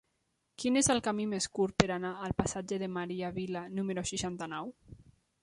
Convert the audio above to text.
Quin és el camí més curt per anar al passatge de Maria Vila número seixanta-nou?